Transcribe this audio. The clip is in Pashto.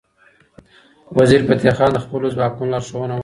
وزیرفتح خان د خپلو ځواکونو لارښوونه وکړه.